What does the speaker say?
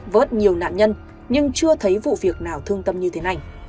vớt nhiều nạn nhân nhưng chưa thấy vụ việc nào thương tâm như thế này